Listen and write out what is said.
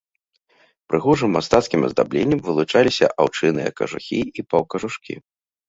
Прыгожым мастацкім аздабленнем вылучаліся аўчынныя кажухі і паўкажушкі.